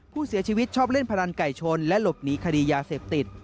ผู้เสียชีวิตชอบเล่นพนันไก่ชนและหลบหนีคดียาเสพติด